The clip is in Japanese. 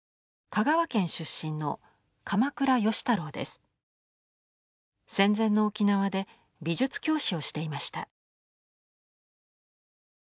香川県出身の戦前の沖縄で美術教師をしていました。